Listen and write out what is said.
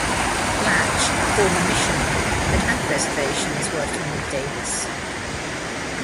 Latch, a former missionary, had had reservations working with Davis.